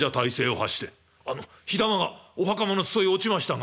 「あの火玉がお袴の裾へ落ちましたが」。